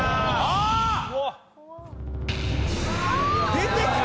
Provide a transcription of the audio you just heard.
出てきた！